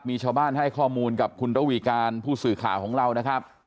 มีชาวบ้านให้ข้อมูลกับคุณระวีการผู้สื่อข่าวของเรานะครับ